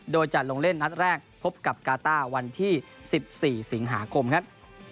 โดยจะลงเล่นนัดแรกพบกับกาต้าวันที่๑๔สิงหาคมครับ